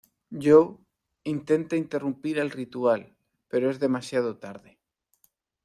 Jo intenta interrumpir el ritual, pero es demasiado tarde.